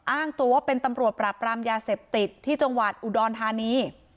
อ้างตัวว่าเป็นตำรวจปราบรามยาเสพติดที่จังหวัดอุดรธานี